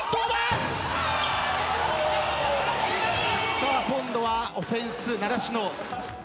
さあ今度はオフェンス習志野。